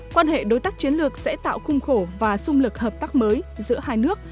quan hệ đối tác chiến lược sẽ tạo khung khổ và xung lực hợp tác mới giữa hai nước